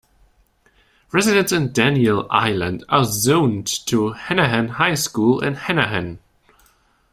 Residents in Daniel Island are zoned to Hanahan High School in Hanahan.